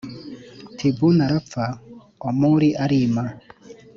Tibuni arapfa, Omuri arima